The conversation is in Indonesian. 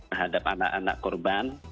terhadap anak anak korban